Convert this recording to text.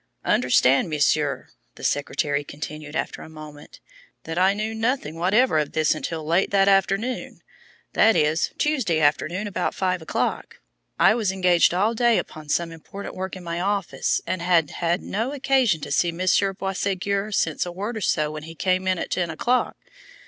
"Understand, Monsieur," the secretary continued, after a moment, "that I knew nothing whatever of all this until late that afternoon that is, Tuesday afternoon about five o'clock. I was engaged all day upon some important work in my own office, and had had no occasion to see Monsieur Boisségur since a word or so when he came in at ten o'clock.